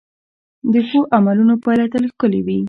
د ښو عملونو پایله تل ښکلې وي.